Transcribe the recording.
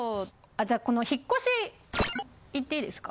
じゃあこの引越しいっていいですか？